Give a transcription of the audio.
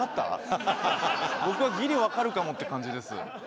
僕はギリわかるかもって感じです。